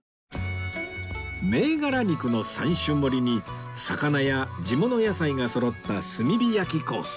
銘柄肉の３種盛りに魚や地物野菜がそろった炭火焼きコース